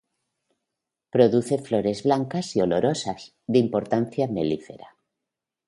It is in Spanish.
Produce flores blancas y olorosas, de importancia melífera.